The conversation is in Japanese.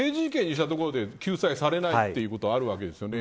刑事事件にしたところで救済されないってことはあるわけですよね。